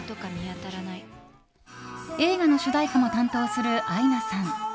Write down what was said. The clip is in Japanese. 映画の主題歌も担当するアイナさん。